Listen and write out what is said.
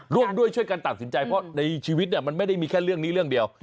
ร่วมด้วยช่วยกันตัดสินใจเพราะในชีวิตมันไม่ได้มีแค่เรื่องนี้เรื่องเดียว